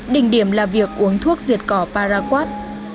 đỉnh điểm là việc uống thuốc diệt cỏ paraguat